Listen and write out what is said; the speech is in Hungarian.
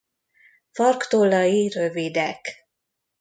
Farktollai rövidek.